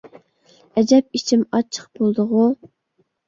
ئەجەب ئىچىم ئاچچىق بولدىغۇ!